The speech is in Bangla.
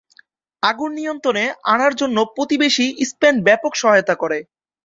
আগুন নিয়ন্ত্রণে আনার জন্য প্রতিবেশী স্পেন ব্যাপক সহায়তা করে।